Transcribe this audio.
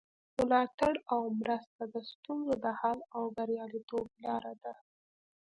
ملاتړ او مرسته د ستونزو د حل او بریالیتوب لاره ده.